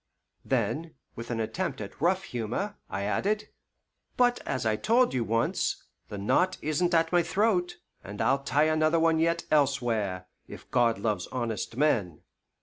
Then, with an attempt at rough humour, I added, "But as I told you once, the knot is'nt at my throat, and I'll tie another one yet elsewhere, if God loves honest men."